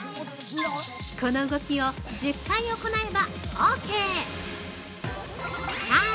この動きを１０回行えばオーケー。